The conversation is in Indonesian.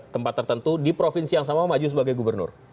tempat tertentu di provinsi yang sama maju sebagai gubernur